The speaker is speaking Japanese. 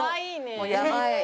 もうやばい。